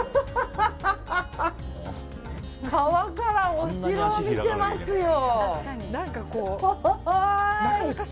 川からお城を見てますよ。